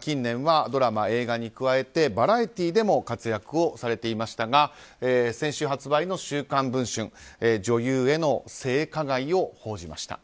近年はドラマ、映画に加えてバラエティーでも活躍をされていましたが先週発売の「週刊文春」女優への性加害を報じました。